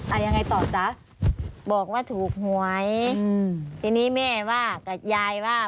อ่ะยังไงต่อจ๊ะบอกว่าถูกหวยอืมทีนี้แม่ว่ากับยายว่า